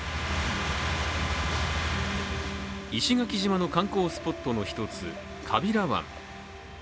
石垣島の観光スポットの一つ、川平湾。